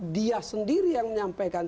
dia sendiri yang menyampaikan